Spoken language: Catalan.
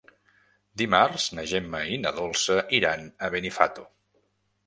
Dimarts na Gemma i na Dolça iran a Benifato.